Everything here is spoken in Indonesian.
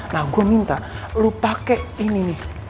nah gue minta lo pakai ini nih